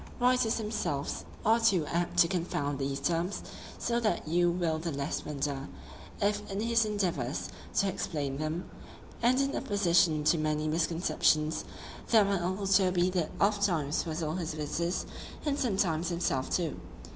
Writers themselves are too apt to confound these terms; so that you will the less wonder, if in his endeavours to explain them, and in opposition to many misconceptions, that my uncle Toby did oft times puzzle his visitors, and sometimes himself too.